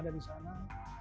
kita melihat siaran langsung